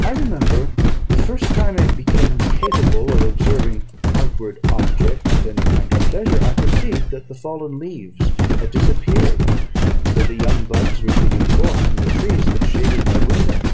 I remember the first time I became capable of observing outward objects with any kind of pleasure, I perceived that the fallen leaves had disappeared, and that the young buds were shooting forth from the trees that shaded my window.